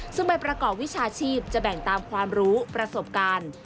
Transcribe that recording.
ซึ่งใบประกอบวิชาชีพจะแบ่งตามความรู้ประสบการณ์